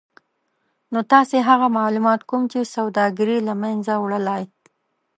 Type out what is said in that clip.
نو تاسې هغه مالومات کوم چې سوداګري له منځه وړلای